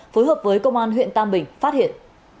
phối hợp với công an huyện tam bình phát hiện